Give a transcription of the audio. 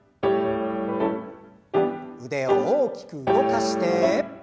腕を大きく動かして。